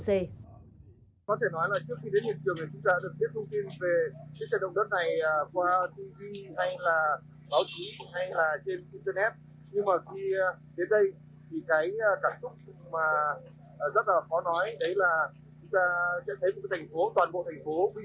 có thể nói là trước khi đến hiện trường thì chúng ta đã được biết thông tin về